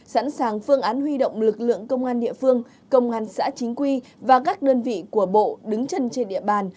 sẵn sàng phương án huy động lực lượng công an địa phương công an xã chính quy và các đơn vị của bộ đứng chân trên địa bàn